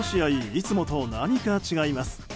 いつもと何か違います。